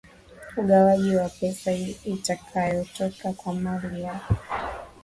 ugawaji ya pesa itakayotoka kwa mali ya aa